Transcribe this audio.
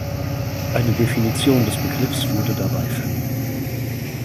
Eine Definition des Begriffs wurde dabei vermieden.